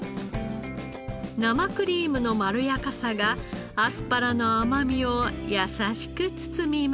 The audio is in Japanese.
生クリームのまろやかさがアスパラの甘みを優しく包みます。